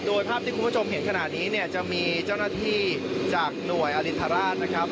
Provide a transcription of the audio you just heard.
โดยภาพที่คุณผู้ชมเห็นขณะนี้เนี่ยจะมีเจ้าหน้าที่จากหน่วยอรินทราชนะครับ